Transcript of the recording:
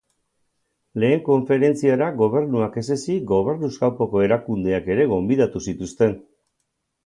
Lehen konferentziara gobernuak ez ezik, gobernuz kanpoko erakundeak ere gonbidatu zituzten.